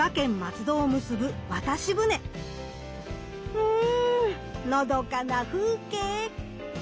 うんのどかな風景！